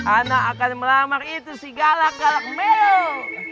anak akan melamar itu si galak galak meyuk